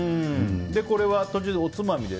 これは途中、おつまみで？